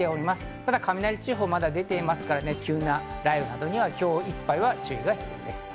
ただ雷注意報が出ていますから、急な雷雨には今日いっぱいは注意が必要です。